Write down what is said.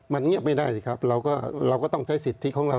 มันเงียบไม่ได้สิครับเราก็ต้องใช้สิทธิของเรา